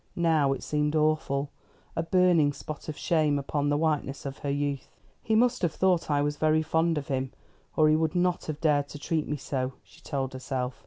Now it seemed awful a burning spot of shame upon the whiteness of her youth. "He must have thought I was very fond of him, or he would not have dared to treat me so," she told herself.